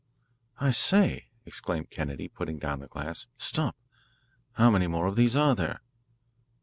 "I say," exclaimed Kennedy, putting down the glass, "stop! How many more of these are there?"